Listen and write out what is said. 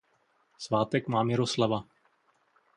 Svátek má Miroslava.